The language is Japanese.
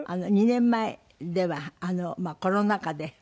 ２年前ではコロナ禍で。